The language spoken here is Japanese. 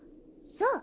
そう。